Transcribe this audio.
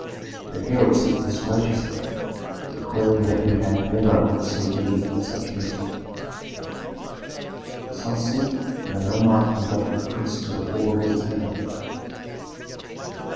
The heir accepted this graciously, declaring that he had never received a gift of such beauty. The sun set, and the nomarch conducted the prince to the hall of entertainment.